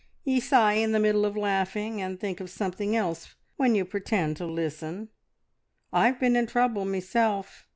Ye sigh in the middle of laughing, and think of something else when you pretend to listen. I've been in trouble meself.